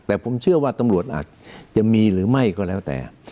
แต่ผมเชื่อว่าตำรวจอาจจะมีหรือไม่ก็แล้วแต่